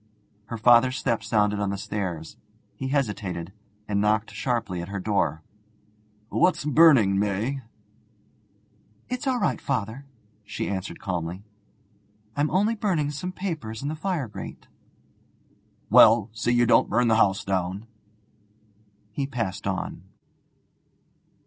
Her father's step sounded on the stairs; he hesitated, and knocked sharply at her door. 'What's burning, May?' 'It's all right, father,' she answered calmly, 'I'm only burning some papers in the fire grate.' 'Well, see you don't burn the house down.' He passed on.